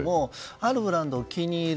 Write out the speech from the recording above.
あるブランドを気に入る。